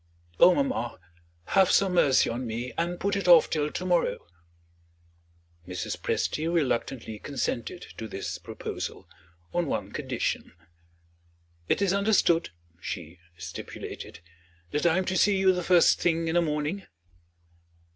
"Oh, mamma, have some mercy on me, and put it off till to morrow!" Mrs. Presty reluctantly consented to this proposal, on one condition. "It is understood," she stipulated "that I am to see you the first thing in the morning?"